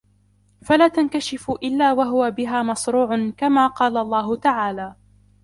فَلَا تَنْكَشِفُ إلَّا وَهُوَ بِهَا مَصْرُوعٌ كَمَا قَالَ اللَّهُ تَعَالَى